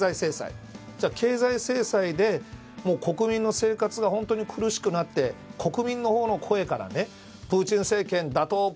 じゃあ経済制裁で国民の生活が本当に苦しくなって国民のほうの声からプーチン政権打倒！